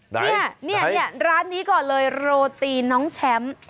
เนี่ยเนี่ยเนี่ยร้านนี้ก่อนเลยโรตีน้องแชมป์